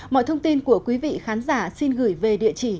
mọi thông tin của quý vị khán giả xin gửi về địa chỉ